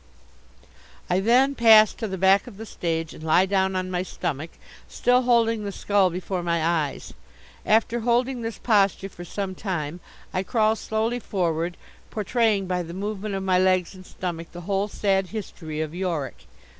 "I then pass to the back of the stage and lie down on my stomach, still holding the skull before my eyes. After holding this posture for some time, I crawl slowly forward, portraying by the movement of my legs and stomach the whole sad history of Yorick.